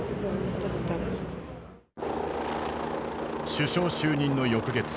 首相就任の翌月。